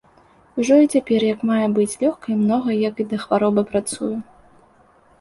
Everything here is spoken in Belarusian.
Ужо і цяпер як мае быць, лёгка і многа, як і да хваробы, працую.